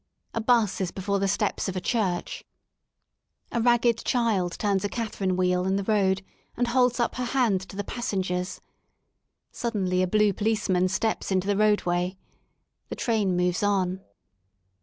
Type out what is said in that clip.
A 'bus is before the steps of a church, 60 ROADS INTO LONDON a ragged child turns a Catherine wheel in the road| and holds up her hand to the passengers. Suddenly a blue policeman steps into the roadway* The train moves on.